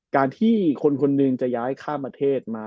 การที่คนคนหนึ่งจะย้ายข้ามประเทศมา